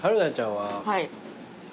はい。